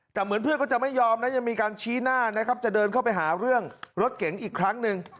แต่เหมือนเพื่อนเขาจะไม่ยอมนะยังมีการชี้หน้านะครับจะเดินเข้าไปหาเรื่องรถเก๋งอีกครั้งหนึ่ง